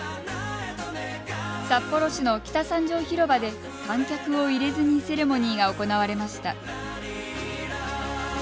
札幌市の北３条広場で観客を入れずにセレモニーが行われました。